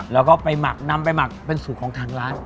แล้วก็ไปหมักนำไปหมักเป็นสูตรของทางร้าน